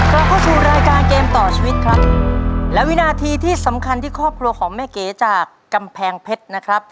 เราเข้าสู่รายการเกมต่อชีวิตครับและวินาทีที่สำคัญที่ครอบครัวของแม่เก๋จากกำแพงเพชรนะครับ